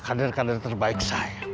kandar kandar terbaik saya